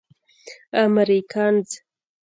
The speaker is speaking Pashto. امريکنز.